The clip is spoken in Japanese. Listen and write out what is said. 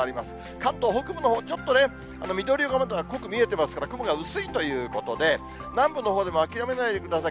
関東北部のほうにちょっとね、緑の色が濃く見えてますから、雲が薄いということで、南部のほうでも諦めないでください。